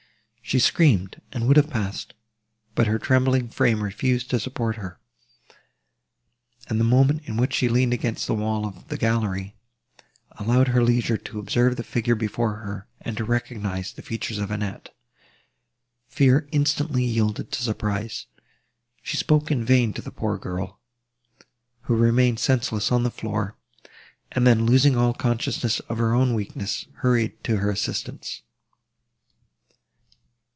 She screamed, and would have passed, but her trembling frame refused to support her; and the moment, in which she leaned against the wall of the gallery, allowed her leisure to observe the figure before her, and to recognise the features of Annette. Fear instantly yielded to surprise. She spoke in vain to the poor girl, who remained senseless on the floor, and then, losing all consciousness of her own weakness, hurried to her assistance.